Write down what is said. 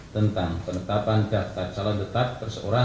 tentang penetapan daftar calon tetap terseorang